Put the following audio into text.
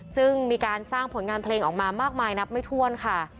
ซึ่งมีการสร้างผลงานเพลงออกมามากมายนับไม่ถ้วนค่ะ